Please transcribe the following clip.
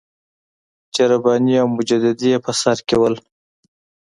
چې رباني او مجددي یې په سر کې وو.